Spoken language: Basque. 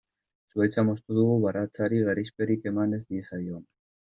Zuhaitza moztu dugu baratzari gerizperik eman ez diezaion.